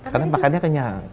karena makannya kenyang